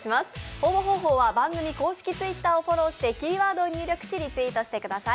応募方法は番組公式Ｔｗｉｔｔｅｒをフォローしてキーワードを入力し、リツイートしてください。